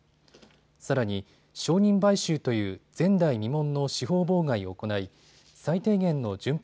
さらに証人買収という前代未聞の司法妨害を行い最低限の順法